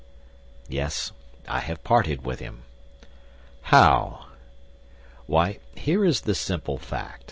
"Yes; I have parted with him." "How?" "Why, here is the simple fact.